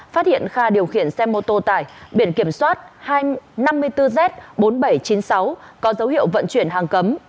phát hiện kha điều khiển xe mô tô tải biển kiểm soát năm mươi bốn z bốn nghìn bảy trăm chín mươi sáu có dấu hiệu vận chuyển hàng cấm